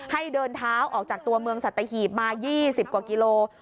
เดินเท้าออกจากตัวเมืองสัตหีบมา๒๐กว่ากิโล